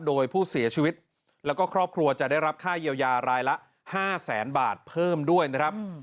โดยผู้เสียชีวิตแล้วก็ครอบครัวจะได้รับค่าเยียวยารายละ๕แสนบาทเพิ่มด้วยนะครับ